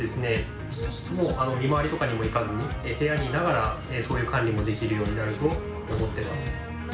もう見回りとかにも行かずに部屋にいながらそういう管理もできるようになると思ってます。